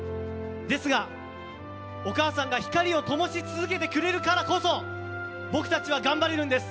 ですが、お母さんが光をともし続けてくれるからこそ僕たちは頑張れるんです。